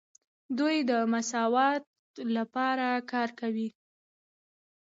دوی د مساوات لپاره کار کوي.